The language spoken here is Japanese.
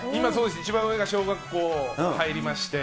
一番上が小学校入りまして。